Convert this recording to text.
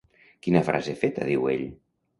Quina frase feta diu ell?